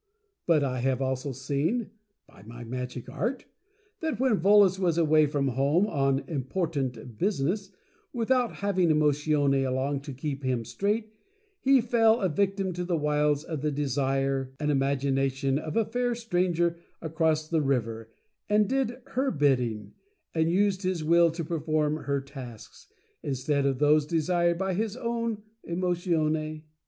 But I have also seen (by my Magic Art) that when Volos was away from home on 'important business,' without having Emotione along to keep him straight, he fell a victim to the wiles of the De sire and Imagination of a Fair Stranger across the river, and did her bidding, and used his Will to per form her tasks, instead of those desired by his own Emotione.